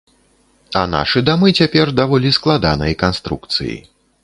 А нашы дамы цяпер даволі складанай канструкцыі.